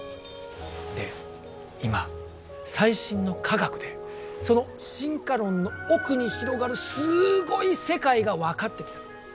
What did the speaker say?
で今最新の科学でその進化論の奥に広がるすごい世界が分かってきたんだ。